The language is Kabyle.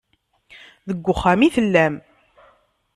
Deg uxxam i tellam.